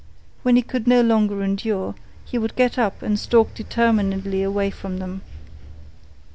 When he could no longer endure, he would get up and stalk determinedly away from them.